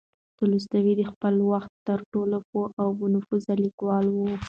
تولستوی د خپل وخت تر ټولو پوه او با نفوذه لیکوال و.